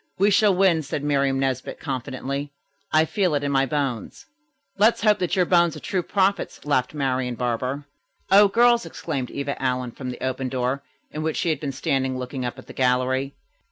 "We shall win," said Miriam Nesbit confidently. "I feel it in my bones." "Let's hope that your bones are true prophets," laughed Marian Barber. "O girls!" exclaimed Eva Allen from the open door, in which she had been standing looking up at the gallery.